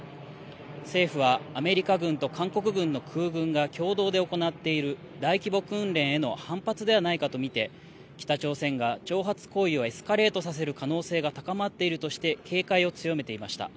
政府はアメリカ軍と韓国軍の空軍が共同で行っている大規模訓練への反発ではないかと見て、北朝鮮が挑発行為をエスカレートさせる可能性が高まっているとして警戒を強めていました。